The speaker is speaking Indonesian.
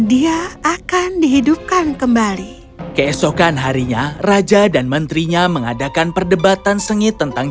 dia akan dihidupkan kembali keesokan harinya raja dan menterinya mengadakan perdebatan sengit tentang